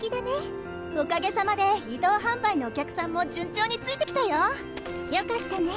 おかげさまで移動販売のお客さんも順調についてきたよ。よかったね。